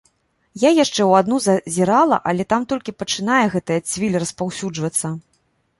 Я яшчэ ў адну зазірала, але там толькі пачынае гэтая цвіль распаўсюджвацца.